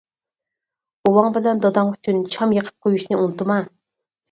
-بوۋاڭ بىلەن داداڭ ئۈچۈن شام يېقىپ قويۇشنى ئۇنتۇما.